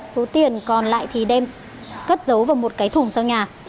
số tiền còn lại thì đem cất giấu vào một cái thùng sau nhà